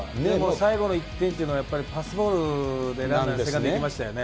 最後の１点というのは、やっぱりパスボールでセカンドいきましたよね。